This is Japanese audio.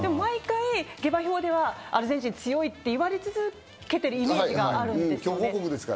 毎回、下馬評ではアルゼンチンが強いと言われ続けているイメージがあるんです。